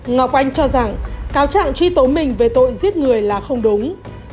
ngọc anh cho rằng cáo chặn truy tố mình về tội giết người là không đúng